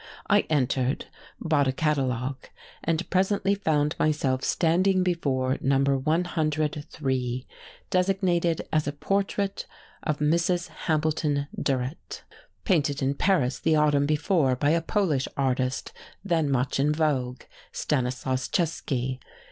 I entered, bought a catalogue, and presently found myself standing before number 103, designated as a portrait of Mrs. Hambleton Durrett, painted in Paris the autumn before by a Polish artist then much in vogue, Stanislaus Czesky.